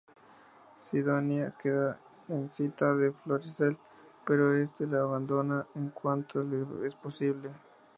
Sidonia queda encinta de Florisel, pero este la abandona en cuanto le es posible.